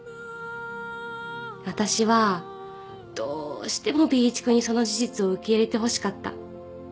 私はどうしても Ｂ 一君にその事実を受け入れてほしかった